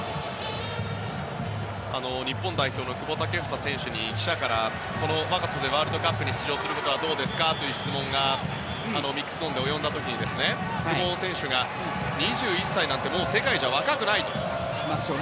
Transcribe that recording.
日本代表の久保建英選手に記者から、この若さでワールドカップに出場することはどうですかという質問がミックスゾーンで及んだ時に久保選手が、２１歳なんてもう世界じゃ若くないと。